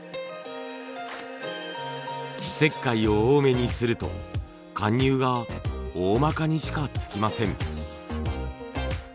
石灰を多めにすると貫入がおおまかにしかつきません。